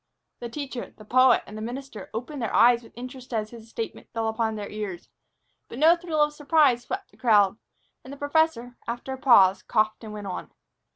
The teacher, the poet, and the minister opened their eyes with interest as his statement fell upon their ears. But no thrill of surprise swept the crowd, and the professor, after a pause, coughed and went on.